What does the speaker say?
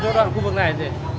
ờ chỗ đoạn khu vực này